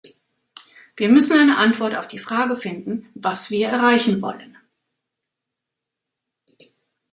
Wir müssen eine Antwort auf die Frage finden, was wir erreichen wollen.